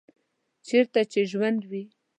چیرته چې ژوند وي